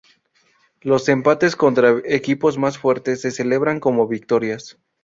Los empates contra equipos más fuertes se celebraban como victorias.